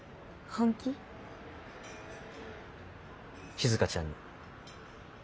しずかちゃんに。